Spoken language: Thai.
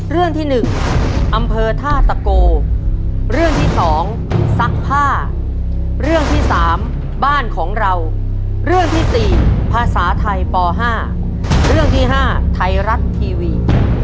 เรื่องที่๑อำเภอท่าตะโกเรื่องที่๒ซักผ้าเรื่องที่๓บ้านของเราเรื่องที่๔ภาษาไทยป๕เรื่องที่๕ไทยรัฐทีวี